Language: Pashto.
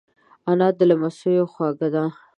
انا د لمسیو خواږه ده